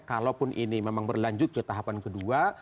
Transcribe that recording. kalaupun ini memang berlanjut ke tahapan kedua